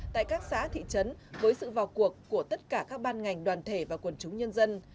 tại các xã thị trấn với sự vào cuộc của tất cả các ban ngành đoàn thể và quần chúng nhân dân